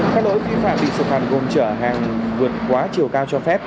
các lỗi vi phạm bị sụp hàn gồm chở hàng vượt quá chiều cao cho phép